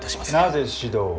なぜ指導を？